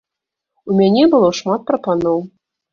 У мяне было шмат прапаноў.